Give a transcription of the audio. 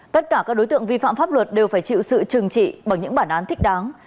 tất cả các đối tượng vi phạm pháp luật đều phải chịu sự trừng trị bằng những bản án thích đáng